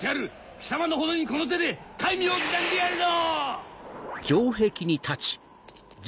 貴様の骨にこの手で戒名を刻んでやるぞ！